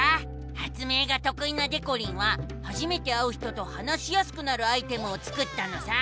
発明がとくいなでこりんは初めて会う人と話しやすくなるアイテムを作ったのさ！